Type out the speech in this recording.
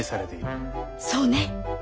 そうね。